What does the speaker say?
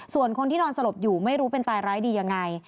ส่วนคนที่นอนสลบอยู่ไม่รู้เป็นตายร้ายดียังไง